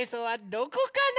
どこかな？